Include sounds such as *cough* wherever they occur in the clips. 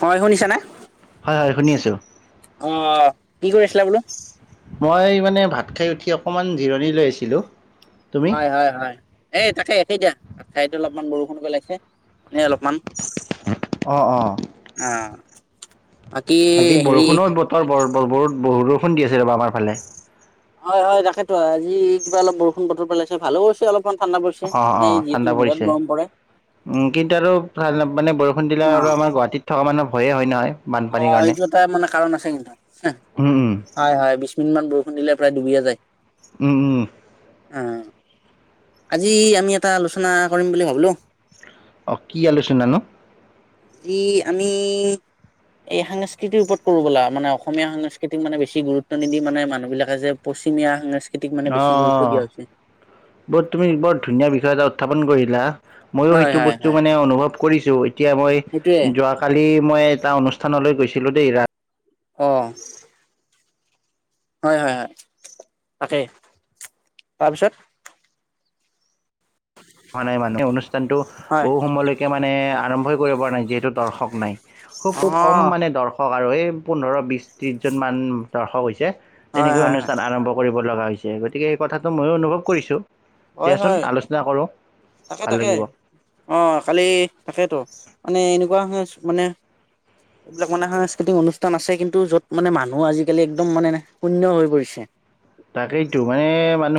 হয় শুনিছা নে হয় হয় শুনি আছোঁ আহ। কি কৰি আছিলা বোলো? মই মানে ভাত খাই উঠি অকণমান জিৰণি লৈ আছিলো। হয়, হয়, হয়, এই তাকে একেই দিয়া ভাত খাইতো অলপমান বৰ কোন *unintelligible* এনেই অলপমান অঁ অঁ। অ', বাকী হেৰি বুত বহুত বৰষুণ দি আছে ৰবা আমাৰ ফালে। হয়, হয়, তাকেতো আজি কিবা অলপ বৰষুণ বতৰ পেলাইছে ভালো হৈছে অলপ অ, অ, ঠাণ্ডা পৰিছে, পৰে উম কিন্তু আৰু মানে বৰষুণ দিলে আৰু অ', আমাৰ গুৱাহাটীত থকা মানুহ হয়য়ে হয় নহয়! বানপানীৰ অ' কাৰণে এইটো এটা মানে কাৰণ আছে কিন্তু, হয়, হয় কিনমান বৰষুণ দিলে প্ৰায় ডুবিয়া যায়? উম, উম অ' আজি আমি এটা আলোচনা কৰিম বুলি ভাবিলো। অ কি আলোচনানো? আজি আমি, এই সাংস্কৃতিৰ ওপৰত কৰো বলা, মানে অসমীয়া সাংস্কৃতি মানে বেছি গুৰুত্ব নিদি মানে মানুহ বিলাকে যে পশ্চিমীয়া সাস্কৃ অ' বুত তুমি বৰ ধুনীয়া বিষয় এ উত্থাপন কৰিলা ময়ো হয় সেইটো হয় বস্তু হয় মানে অনুভৱ কৰিছো এতিয়া মই সেইটোয়ে যোৱাকালি মই এটা অনুষ্ঠানলৈ গৈছিলো দেই ৰা অ' হয়, হয়, হয়, তাকেই, তাৰপিছত? নাই মানুহ, এই অনুষ্ঠানতটো হয় বহু সময়লৈকে মানে আৰম্ভই কৰিব পৰা নাই যিহেতু দৰ্শক নাই। খুব অ কম মানে দৰ্শ আৰু এই পোন্ধৰ, বিছ, ত্ৰিছজনমান দৰ্শক হৈছে। হয় তেনেকৈ হয় হয় অনুষ্ঠান আৰম্ভ কৰিব লগা হৈ গতিকে এই কথাটো মইও অনুভৱ কৰিছোঁ। হয় দিয়াচোন হয় আলোচনা কৰো। তাকে, তাকে, অ' কালি তাকেইতো। মানে এনেকুৱা সাছ-মানে, এইবিলাক মানে সাংস্কৃতিক অনুষ্ঠান আছে কিন্তু, য'ত মানে মানুহ আজিকালি একদম মানে শূণ্য হৈ পৰিছে। তাকেইতো, মানে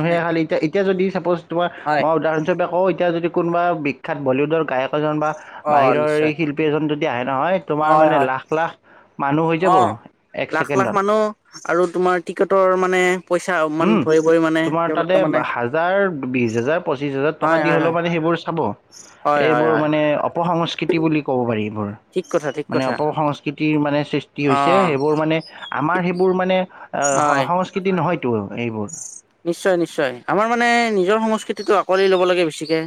মানে খালী এত এতিয়া যদি ছাপ'জ তোমাৰ হয় মই উদাহৰণস্বৰূপে কওঁএতিয়া যদি কোনোবা বিখ্যাত বলিউডৰ গায়ক বা অ বাহিৰৰ নিশ্চয় এই শিল্পী এজন অঃ হয় হয় মানুহ হৈ যাব অঁ এক লাখ লাখ ছেকেণ্ডত মানুহ আৰু তোমাৰ টিকেটৰ মানে পইচা ইমান উম ভৰি ভৰি মানে তোমাৰ তাতে তেওঁলোকে মানে হাজাৰ বিশ হাজাৰ পঁচিশ হাজাৰ টকা হয়, দি হয়, হলেও হয়, মানে সেইবোৰ চাব হয়, হয়, এইবোৰ হয়, মানে অপসংস্কৃতি বুলি কব পাৰি এইবোৰ ঠিক কথা, ঠিক মানে কথা। অপসংস্কৃতিৰ মানে সৃষ্টি হৈছে অ', সেইবোৰ মানে আমাৰ সেইবোৰ মানে হয়, আহঁ সংস্কৃতি হয় এইবোৰ নিশ্চয় নিশ্চয় আমাৰ মানে নিজৰ সংস্কৃতিটোটো আঁকোৱালি ল'ব লাগে বেছিকে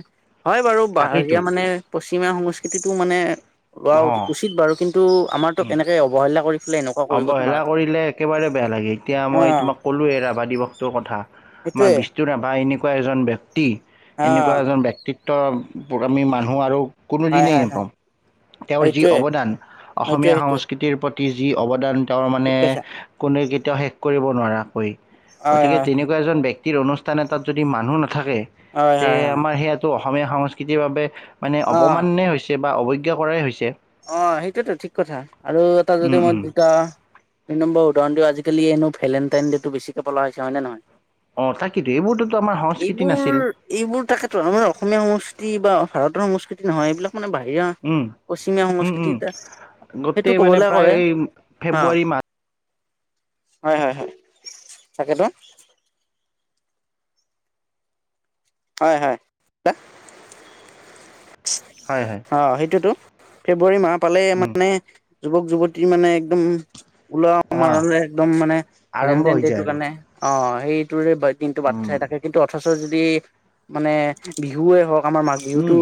হয় বাৰু তাকেইতো বাহয়া মানে প সিমা সংস্কৃতিটো মানে লোৱা উ অঁ উচিত বাৰু কিন্তু আমাৰ তোক উম। এনেকে অৱহেলা কৰি পেলাই এনেকুৱা কৰিবতো অৱহেলা নালাগে। কৰিলে একেবাৰে বেয়া লাগে এতিয়া মই অ', তোমাক কলোে ৰাভা দিৱস টো কথা আমাৰ সেইটোয়ে বিস্তুৰাভা এনেকুৱাও এনেকুৱা এজন ব্যক্তি। এনেকুৱা অ', এজন ব্যয়ক্তিক। ত আমি মানুহ আৰু হয়, কোনোদিনেই হয়, হয়, নাপাওঁ। তেওঁৰ যি সেইটোয়ে, অৱদান, সেইটোয়ে, অসমীয়া সেইটোয়ে সংস্কৃতিৰ ৰূপত। যি অৱদান, তেওঁৰ মানে ঠিক কৈছা। কোনে কে তেওঁ শেষ কৰিব নোৱাৰা হয় হয়, গতিকে হয়, হয়, তেনেকুৱা এজন ব্যক্তি এই অনুষ্ঠান এটাত যদি মানুহ নাথ থাকে হয়, তে হয়, হয়, আমাৰ সেয়াটো অসমীয়া সংস্কৃতিৰ বাবে। মানে অপমানে হৈছে। হৈছে বা অৱজ্ঞা কৰাই হৈছে অঁ সেইটোতো ঠিক কথা আৰু ত যদি মই দুটা দুই নম্বৰ উদাহৰণটো আজি কালি এনো ভেলেণ্টাইন ডেটো বেছিকে পতা হৈছে হয় নে নহয় অঁ তাকেতো এইবোৰতোতো আমাৰ সংস্কৃতি এইবোৰ নাছিল এইবোৰ তাকেতমৰ অসমীয়া সংস্কৃতিৰ বা ভাৰতৰ সংস্কৃতি নহয় এইিলাক মানে বাহিৰা উম, উম সংস্কৃতি উম এটা সেইটো গোটেই মানে কবলে প্ৰায় কৰে। এই অ ফেব্ৰুৱাৰী মাহ হয় হয় হয় তাকেতো হয় হয় দা হয় হয় অ সেইটোতো ফেব্ৰুৱাৰী মাহ পালেই মানে যুৱক যুৱতী মানে একদম অঁ ওলমাৰ একদম মানে আৰম্ভ ভেলেন্টাইন হৈ যায় ডেটতোৰ আৰু কাৰনে হয় সেটোৰে বাট দিনটো বাট উম, চাই থাকে কিন্তু অথচ তই যদি মানে বিহুৱে হওক আমাৰ মাঘ বিহুতটো উম,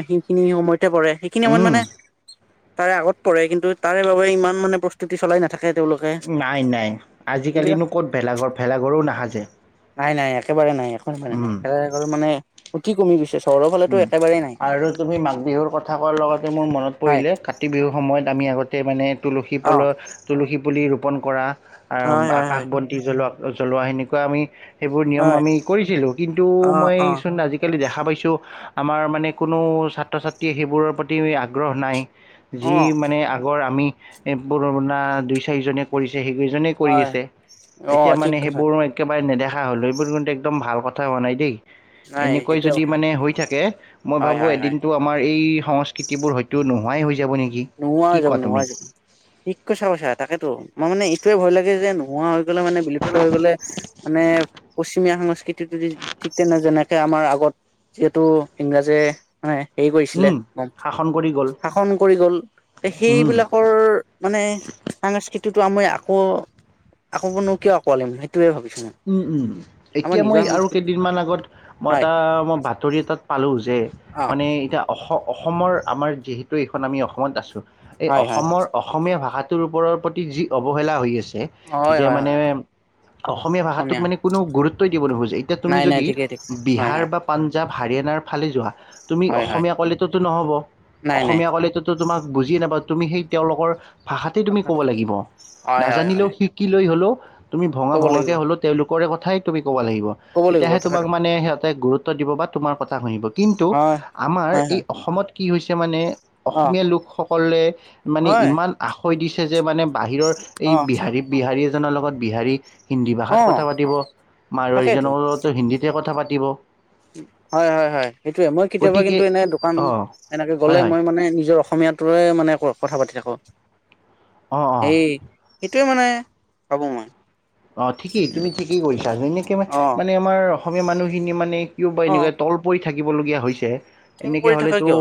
সেইখিনি সময়ত পিছে পৰে সেইখিনি সময়ত উম। মানে তাৰে আগত পৰে কিন্তু তাৰে বাবে ইমান মানে প্ৰস্তুতি চলাই নাথাকে তেওঁলোকে নাই নাই এইবিলাক আজিকালিনো ক'ত ভেলাঘৰ ফেলাঘৰো নাহাজে। নাই নাই একেবাৰে নাই কোন খানে ভেলাঘৰ মানে মই কিৰোম বিশেচ তহতৰ ফালেতো উম। একেবাৰে নাই আৰু তুমি মাঘ বিহুৰ কথা কোৱাৰ লগতে মোৰ মনত হয় পৰিলে কাতি বিহুৰ সময়ত আমি আগত গোতে মানে তুলসী অ পলৰ তুলসী পুলি অপণ কৰা আ হয় হয় আকাশ হয় বন্তি জ্বলক জ্বলোৱা সেনেকোৱা আমি সেইবোৰ নিয়ম হয় আমি কৰিছিলো, কিন্তু অ অ মইচোন আজিকালি দেখা খাবাইছো আমাৰ মানে কোনো ছাত্ৰ ছাত্ৰীয়ে সেইবোৰৰ প্ৰতি আগ্ৰহ নাই। যি অ মানে আগৰ আমি এ পুৰণা দুই চাৰিজনে কৰিছ সেইকেইজনে কৰি হয় আছে অ এতিয়া ঠিক মানে কথা সেইবোৰো একেবাৰে নেদেখা কা হ'লে এইবোৰ কিন্তু একদম ভাল কথা হোৱা নাই দেই নাই এনেকৈ সেইটোৱে যদি কথা মানে হৈ থাকে মই হয় ভাবোঁ হয় হয় এদিনটো আমাৰ এই সংস্কৃতিবোৰ হয়তোও নো *inaudible* নোহোৱা হৈ যাব নোহোৱা হৈ থাকিলে যাূ ঠিককৈচা বাচা তাকেেতো মই মানে ই কিৱ ভয় লাগে যোনো নোৱোৱা হৈ গ'লে মানে বিলুপ্ত হৈ গ'লে মানে পশ্চিমীয়া সং সেইটো টো যদি ঠিক তেনে যেনেকৈ আমাৰ আগত যিহেতু ইংৰাজে মানে হেৰি কৰিছিলে উম, শাসন কৰি গ'ল শাসন কৰি গ'ল উম, সেইবিলাকৰ মানে সংস্কৃ সেইটোতো আমি আকৌ আকৌ কিনো কিয় আকোৱালিম সেই উম উম এতিয়া মই নিজৰ আৰু সংস্কৃতি কেইদিনমান আগত মই হয় তাৰ মই বাতৰি এটাত পালো যে, অ মানে এইতা অসম অসমৰ আমাৰ যিহেতু এইখন আমি অসমত আছোঁ এই হয় হয় হয় অসমৰ অসমীয়া ভাষাত তৰ ওপৰ প্ৰতি যি অৱহেলা হৈ আছে। এহ হয় যে হয় মানে হয় অসম। অসমীয়া ভাষাটোক মানে কোনোও গুৰুত্বই দিব নোখোজে এতিয়া তুমি নাই নাই যদি ঠিকেই ঠিকে হয় বিহাৰ হয় বা পাঞ্জাৱ। হাৰিয়ানাৰ ফালে যোৱা। তুমি হয় হয় অসমীয়া ক'লেইটো টো নহ'ব নাই নাই অসমীয়া ক'লেটো টো তোমাক বুজিয়ে নাপা। তুমি সেই তেওঁলোকৰ। ভাষাতেই তুমি ক'ব তাকেতো লাগিব হয় হয় নাজানিলেও হয় শিকি লৈ হ'লেও। তুমি ভঙা ক'ব ভঙা। লাগিব তেওঁলোকৰেই কথাই তুমি। ক'ব লাগিব ক'ব লাগিব তেতিয়াহে তোমাক তাকেতো মানে সিহঁতে গুৰুত্ব। তাত দিব বা তোমাৰ কথা। শুনিব কিন্তু হয় আমাৰ হয় এই হয় অসমত। কি হৈছে মানে। অ অসমীয়া লোকসক। ক'লে। মানে হয় ইমান আ। কৈ দিছে যে মানে। বাহিৰৰ এই অ বিহাৰিয়ে-বিহাৰিয়ে। জনৰ লগত বিহাৰি। হিন্দী অ ভাষাত কথা পাতিব মাৰোৱাৰীজনৰ লগতো হিন্দীতে কথা পাতি। দিব। হয়-হয়-হয়, সেইটোয়ে মই কেতিয়াবা গতিকে কিন্তু এনে দোকান অঁ এনেকে হয় গ'লে হয় মই মানে নিজৰ অসমীয়াটোৱে মানে আ কথা পাতি থাকোঁ অঁ-অঁ। সেইটোৱে মানে ভাবো মই অ ঠিকেই তুমি ঠিকেই কৰিছা জু এনেকে অ মানে আমাৰ অসমীয়া মানুহখিনিয়ে মানে কিয় বা অ এনেকুৱা তল পৰি থাকিবলগীয়া হৈছে। তল এনেকে পৰি থাকা হ'লেতো কিয়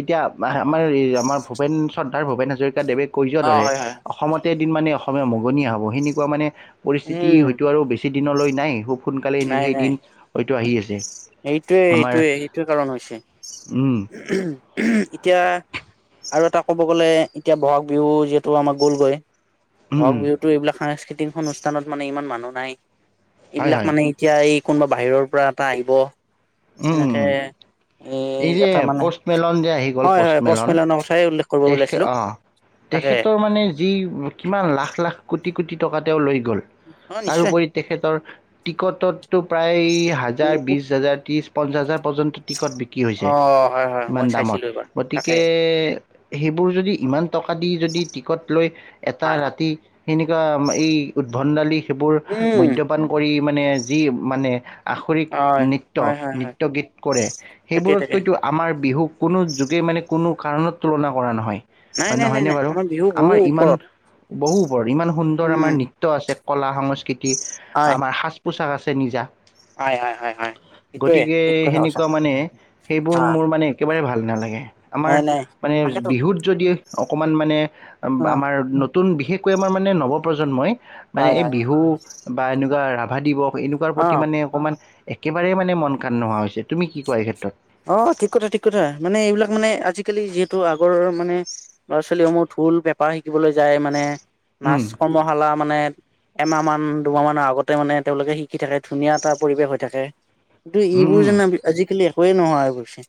এতিয়া অ আমাৰ আমাৰ ভূপেন চ্বৰ ত ভূপেন হাজৰিকা দেৱে কৈ যোৱাৰ অ দৰে হয় হয় অসমত গোটেই দিন মানে অসমীয়া মগনীয়া হ'ব সেনেকুৱা মানে পৰিস্থিতি উম হয়তো আৰু বেছি দিনলৈ নাই খুব সোনকালে এনেক সেই দিন টো আহি আছে। সেইটোৱে আমাৰ এইটোয়ে সেইটোয়ে কাৰণ হৈছে উম এতিয়া আৰু এটা ক'ব গ'লে এতিয়া বহাগ বিহু যিহেতু আমাৰ গ'লগৈ! উম বহাগ উম বিহুত এইবিলাক সাংস্কৃতিক টিন অনুষ্ঠানত মানে ইমান মানুহ নাই। হয় এইবিলাক হয় মানে এতিয়া এই কোনোবা বাহিৰৰ পৰা পা আহিব উম উম এনেকে, উম এই যে এটা মানে পষ্টমেলন যে আহি গ'ল হয় হয় পষ্টমেলন পচমেলনৰ কথাই উল্লেখ কৰিব তে ওলাইছিলো অ তাকে তেখৰ মানে যি কিমান লাখ লাখ কোটি ক কোঁটি টকা তেওঁ লৈ গল অ নিশ্চয় তাৰপৰি তেখেতৰ টিকটত। তটো প্ৰায় হাজাৰ বহুত বিশ হাজাৰ ত্ৰিশ। পঞ্চাছ হাজাৰ পজন্ত কি হৈছে অ হয় হয় ইমান মই দামত চাইছিলো এইবাৰ তাকে গতিকে সেইবোৰ যদি ইমান টকা দি যদি টিকট লৈ এটা হয় হয় ৰাতি সেনেকুৱা এই উদ্ভণ্ডালি সেইবোৰ উম মদ্যপান কৰি মানে যি মানে আখৰিক হয় নৃত্য হয় হয় হয় নৃত্য গীত কৰে। তাকে তাকে সেইবোৰতকৈতো আমাৰ বিহুক কোনো যোগে মানে কোনো কাৰণত তুলনা কৰা নহয়। নাই হয় নাই নাই নাই আমাৰ বিহু বহু ওপৰত। বহুত। বৰ ইমান সুন্দৰ উম আমাৰ নিত আছে। কল সংস্কৃতি আমাৰ সাজ পোছাক আছে। চ নিজা। হয', হয়', সটয়ে গতিকে কিঠিক কথা কছা। সেনেকুৱা মানে সেইবোৰ মোৰ মানে একেবাৰে ভাল নালাগে। আমাৰ নাই নাই মানে তাকেতো বিহুত যদি অকমান মানে অ আমাৰ নতুন বিশেষকৈ আমাৰ মানে নৱপ্ৰজন্মই মানে হয় এই হয় হয় বিহু বা এনেকুৱা ৰা ভাদ দিব এনেকুৱা অ প্ৰতি মানে অকমান একেবাৰে মানে মন কণ নোহোৱা হৈছে তুমি কি কোৱা এই ক্ষেত্ৰত অ ঠিক কথা ঠিক কথা মানে এইবিলাক মানে আজিকালি যিহেতু আগৰ মানে ল'ৰা ছোৱালীসমূহ ঢুল পেপাৰ শিকিবলৈ যায় মানে উম, নাৰ্ছ কৰ্মশালা মানে এমাহ মান দুমাহ মানৰ আগতে মানে তেওঁলোকে শিকি থাকে ধুনীয়া এটা পৰিৱেশ হৈ থাকে কিন্তু উম, এইবোৰ উম, জান আজিিকালি ক নহয় আৰু পছি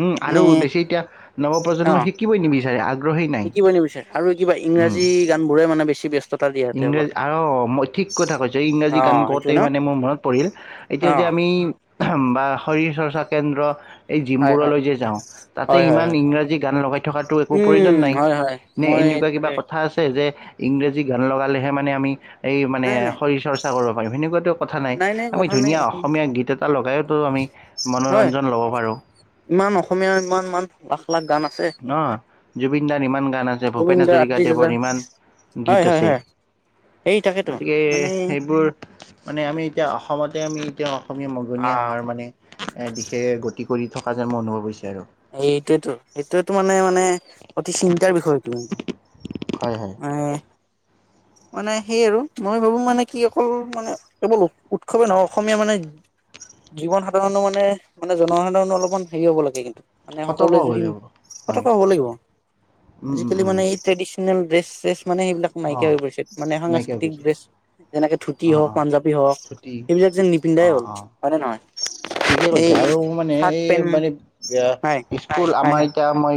উম আৰু বেছি এতিয়া নৱপ্ৰজন্মই শিকিবই নিবিচাৰে আগ স কি বনিবচয় আৰু কিবা ইংৰাজী গান বোৰে মানে বেছি *inaudible* ইংৰাজী তেওঁলোকে আৰু মই ঠিক কথা কৈছো ইংৰাজী অ গান গওঁতে সেইটোৱে ন মানে মোৰ মনত পৰিল এতিয়া অ যে আমি বা শৰীৰ চৰ্চা কেন্দ্ৰ এই হয় হয় জিমবোৰলৈ যে যাওঁ তাতে হয় হয় ইমান হয় ইংৰাজী গান লগাই থকাাতটো একো প্ৰয়োজন উম নাই হয় হয় নে মই এনেকুৱা কিবা তাকে কথা আছে যে ইং্ৰেজী গান লগালেহে মানে আমি এই মানে নাই নাই শৰীৰ চৰ্চা কৰিব পাৰিম সেনেকুৱাতো কথা নাই আমি ধুনীয়া অসমীয়া গীত এটা লগাইতো আমি হয় মনোৰঞ্জন ল'ব পাৰোঁ। ৱাহ ন জুবিন দাৰ ইমান গান আছে ভূপেন গোবিন্দ আত্ৰিশ হাজাৰ হাজৰিকাদেৱৰ ইমান হয় গীত হয় আছে হয় এই তাকেতো গতিকে মানে সেইবোৰ মানে আমি এতিয়া অসমতে আমি এতিয়া অসমীয়া মগনীয়া আহ হোৱাৰ মানে দিশে গতি কৰি থকা যেন ম অনুভৱ হৈছে আৰু এইটোয়েতো এইটোৱেটো মানে মানে অতি চিন্তাৰ বিষয় এইটো হয় হয় এ মানে সেইয়ে আৰু মই ভাবো মানে কি অকল মানে কেৱল উ উৎসৱে নহয় অসমীয়া মানে জীৱন সাধাৰণো মানে মানে জনসাধাৰণ অলপমান হেৰি হ'ব লাগে কিন্তু মানে সতৰ্ক সকলোৱে হ'ব যদি লাগিব হয় ফতকা হ'ব লাগিব উম উম আজিকালি উম মানে এই ট্ৰেডি- সিমান ড্ৰেচ চ্ৰেচ মানে সেইবিলাক হৈ অঁ পৰিছে মানে নাইকিয়া হৈ সাংস্কৃতিক গৈছে ড্ৰেছ যেনেকে ধুতি অঁ হওক অঁ পাঞ্জাৱী হওক ছুটি সেইবিলাক যেন নিপিন্ধাই অঁ হ'ল অঁ হয় নে নহয় ঠিকে কৈছে এই আৰু মানে চাৰ্ট এই পেন্ট মানে হয় স্কুল হয় আমাৰ হয় এতিয়া মই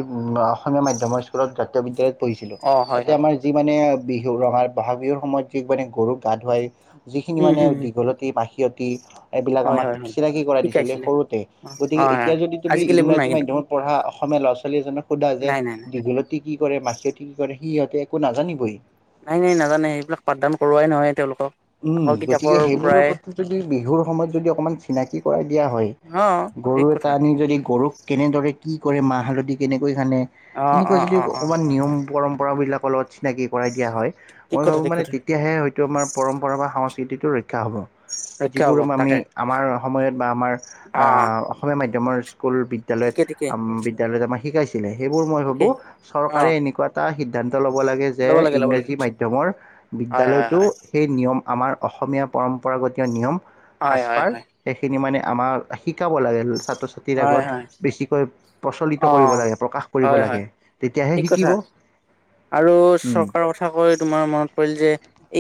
অসমীয়া মাধ্যমৰ স্কুলত জাতীয় বিদ্যালয়ত পঢ়িছিলো অ হয় তাতে হয় আমাৰ যি মানে বিহু ৰঙা বহাগ বিহুৰ সময়ত যি মানে গৰুক গা ধুৱাই যিখিনি উম মানে হম দীঘলতি পাহি কিউটি এইবিলাক হয় আমাক হয় হয় সি কৰাই দিছিলে শিকাইছিলে সৰুতে অ গতিকে হয় হয় এতিয়া যদি তুমি আজিকালি এইবোৰ নাই ইংৰাজী কিন্তু মাধ্যমত পঢ়া অসমীয়া ল'ৰা ছোৱালী এজনক সোধা যে নাই নাই নাই দীঘলতে কি কৰে মাখিয়তি কি কৰে সিহঁতে একো নাজানিবই নাই নাই নাজানে সেইবিলাক পাঠদান কৰোৱাই নহয় তেওঁলোকক উম আকৌ কিতাপৰ গতিকে সেইবোৰৰ পৰাই প্ৰতি যদি বিহুৰ সময়ত যদি অকমান চিনাকি কৰাই দিয়া হয় অ গৰু ঠিক এটা কথা আনি যদি গৰুক কেনেদৰে কি কৰে মাহ হালধি কেনেকে কৈ খানে অ অ এনেকুৱা যদি অ অ অকণমান নিয়ম পৰম কৰ বিলাকৰ লগত চিনাকি কৰাই দিয়া হয় ঠিক মই কথা ভাবো ঠিক মানে কথা তেতিয়াহে হয়তো আমাৰ আমাৰ সংস্কৃতিটোৰ ৰক্ষা হ'ব ৰক্ষা যিবোৰ হব আমি তাকে আমাৰ সময়ত বা আমাৰ অ অসমীয়া মাধ্যমৰ স্কুল বিদ্যালয়ত ঠিকে ঠিকে আম বিদ্যালয়ত আমাৰ শিকাইছে সেইবোৰ মই ভাবো ঠিকেই অ চৰকাৰে এনেকুৱা এটা সিদ্ধান্ত ল'ব লাগে যে ল'ব লাগে ল'ব লাগে ইংৰাজী মাধ্যমৰ হয় হয় বিদ্যালয়টো হয় নিয়ম আমাৰ অসমীয়া পৰম্পৰাগতীয় নিয়ম হয় হয় সাজপাৰ হয় সেইখিনি মানে আমাৰ শিকাব লাগে ছাত্ৰ ছাত্ৰীৰ হয় আগত হয় বেছিকৈ অ প্ৰচলিত কৰিব লাগে প্ৰকাশ কৰিব হয় হয় লাগে তেতিয়াহে ঠিক কথা শিকিব আৰু উম, চৰকাৰৰ কথা কৈ তোমাৰ মনত পৰিল যে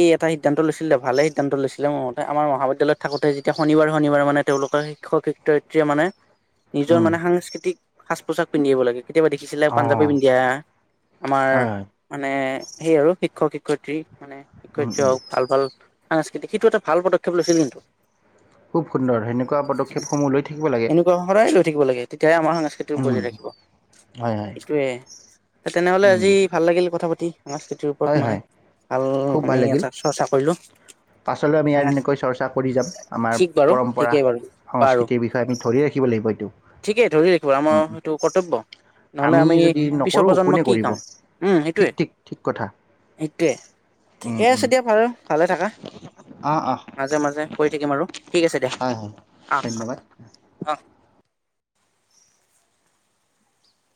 এই এটা সিদ্ধান্ত লৈছিলে ভালে সিদ্ধান্ত লৈছিলে মোৰতে আমাৰ মহাবিদ্যালয়ত থাকোতে যেতিয়া শনিবাৰ শনিবাৰ মানে তেওঁলোকৰ শিক্ষক শিক্ষয়িত্ৰীয়ে মানে নিজৰ উম, মানে সাংস্কৃতিক সাঁজ পোছাক পিন্ধিব লাগে কেতিয়াবা দেখিছিলে পাঞ্জাপী অঁ পিন্ধি আহা আমাৰ হয় হয় মানে সেই আৰু শিক্ষক শিক্ষয়িত্ৰী মানে উম, শিক্ষয়েত্ৰি উম, হওঁক ভাল ভাল সাংস্কৃতিক সেইটো এটা ভাল পদক্ষেপ লৈছিল কিন্তু খুব সুন্দৰ সেনেকুৱা পদক্ষেপসমূহ লৈ থাকিব লাগে এনেকুৱা সদায় লৈ থাকিব লাগে তেতিয়া হে আমাৰ সাংস্কৃতিক উম। বজাই ৰাখিব হয় হয় এইটোয়ে তেনেহলে উম আজি ভাল লাগিল কথা পাতি সংস্কৃতিৰ ওপৰত হয় মানে। হয় ভাল খুব আমি ভাল লাগিল এটা চৰ্চা কৰিলো পাছলৈ আমি আৰু এনেকৈ চৰ্চা কৰি যাম আমাৰ ঠিক বাৰু পৰম্পৰা ঠিকেই বাৰু বাৰু সংস্কৃতিৰ বিষয়ে আমি ধৰি ৰাখিব লাগিব এইটো ঠিকেই ধৰি ৰাখিব আমাৰ উম, উম। সেইটো কৰ্তব্য নহলে আমি যদি পিছৰ নকৰোঁ প্ৰজন্ম কোনে কি কৰিব কাম উম ঠিক এইটোৱে ঠিক ঠিক কথা সেইটোৱে ঠিকে আছে দিয়া ভাল ভালে থাকা অঁ অঁ মাজে মাজে কৰি থাকিম আৰু ঠিক আছে দিয়া হয় হয় অঁ ধন্যবাদ অঁ অঁ